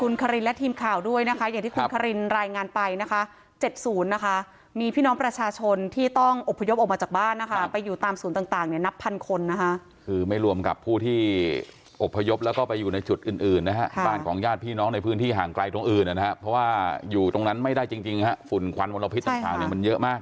นี่บรรยากาศล่าสุดครับกลับไปห้องส่งครับ